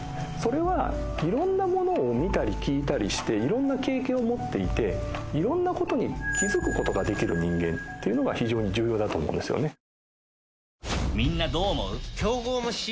それはいろんなものを見たり聞いたりしていろんな経験を持っていていろんなことに気付くことができる人間っていうのが非常に重要だと思うんですよね。